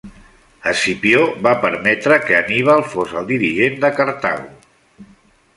Escipió va permetre que Hanníbal fos el dirigent de Cartago.